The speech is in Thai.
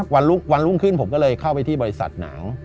วันรุ่งขึ้นผมก็เลยเข้าไปที่บริษัทหนาว